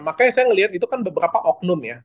makanya saya melihat itu kan beberapa oknum ya